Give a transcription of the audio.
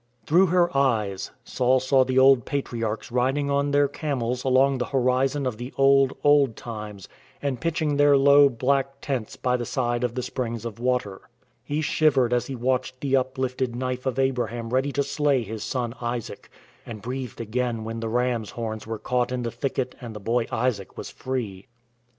Through her eyes, Saul saw the old patriarchs riding on their camels along the horizon of the old, old times and pitching their low, black tents by the side of the springs of water. He shivered as he watched the uplifted knife of Abraham ready to slay his son Isaac, and breathed again when the ram's horns were caught in the thicket and the boy Isaac was free.